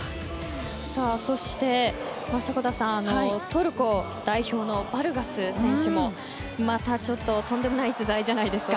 そして、迫田さんトルコ代表のバルガス選手もまたちょっととんでもない逸材じゃないですか。